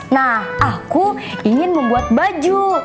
nah aku ingin membuat baju